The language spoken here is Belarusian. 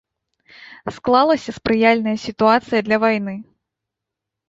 Склалася спрыяльная сітуацыя для вайны.